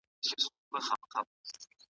د هوسیو د سویانو د پسونو